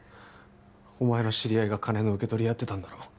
お前の知り合いが金の受け取りやってたんだろ？